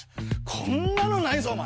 こんなのないぞお前。